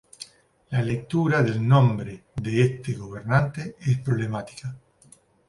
La lectura del nombre de este gobernante es problemática.